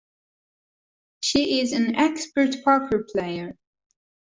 She is an expert poker player.